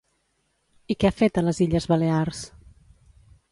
I què ha fet a les Illes Balears?